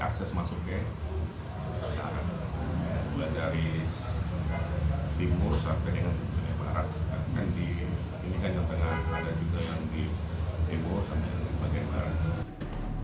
ada di kiri kanan ada juga di timur sampai ke bagian barat